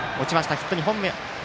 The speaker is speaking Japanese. ヒット２本目。